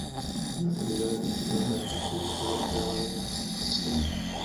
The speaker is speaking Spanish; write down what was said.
En la actualidad el edificio alberga el Museo del Grabado Español Contemporáneo.